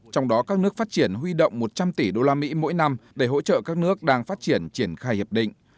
trong đó các nước phát triển huy động một trăm linh tỷ usd mỗi năm để hỗ trợ các nước đang phát triển triển khai hiệp định